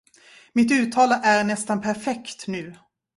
Mitt uttal är nästan perfekt nu.